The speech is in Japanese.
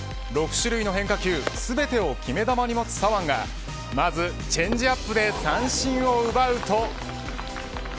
６種類の変化球全てを決め球に持つ左腕がまずチェンジアップで三振を奪うと。